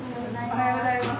おはようございます。